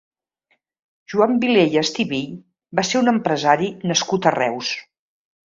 Joan Vilella Estivill va ser un empresari nascut a Reus.